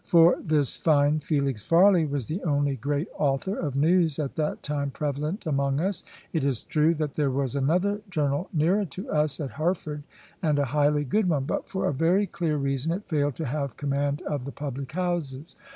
For this fine Felix Farley was the only great author of news at that time prevalent among us. It is true that there was another journal nearer to us, at Hereford, and a highly good one, but for a very clear reason it failed to have command of the public houses.